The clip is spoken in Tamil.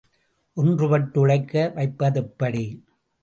ஒன்றுபட்டு உழைக்க வைப்பதெப்படி?